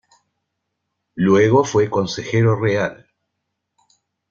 Luego fue Consejero Real.